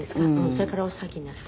それから大騒ぎになった。